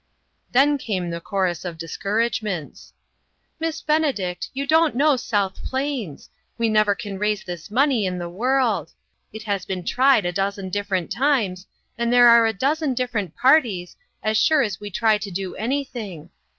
Then came the chorus of discourage ments: "Miss Benedict, you don't know South Plains. We never can raise this money in the world. It has been tried a dozen dif ferent times, and there are a dozen differ ent parties, as sure as we try to do any thing.